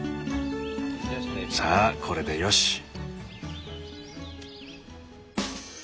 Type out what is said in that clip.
さあこれでよし。